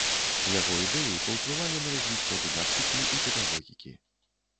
Яго ідэі паўплывалі на развіццё дыдактыкі і педагогікі.